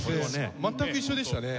全く一緒でしたね。